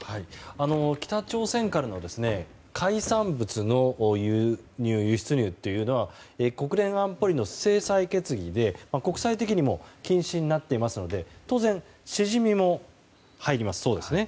北朝鮮からの海産物の輸出入というのは国連安保理の制裁決議で国際的にも禁止になっていますので当然、シジミも入ります。